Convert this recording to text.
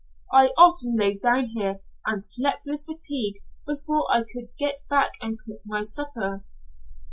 I often lay down here and slept with fatigue before I could get back and cook my supper."